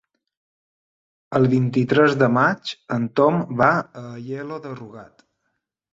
El vint-i-tres de maig en Tom va a Aielo de Rugat.